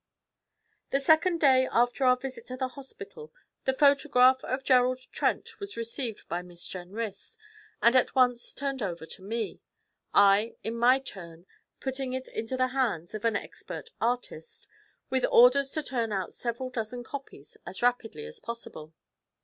The second day after our visit to the hospital the photograph of Gerald Trent was received by Miss Jenrys, and at once turned over to me, I, in my turn, putting it into the hands of an expert 'artist,' with orders to turn out several dozen copies as rapidly as possible.